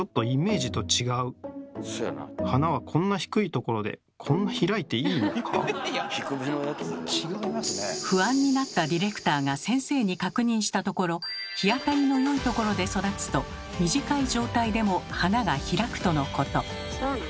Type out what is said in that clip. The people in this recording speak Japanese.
と喜んだものの不安になったディレクターが先生に確認したところ日当たりの良いところで育つと短い状態でも花が開くとのこと。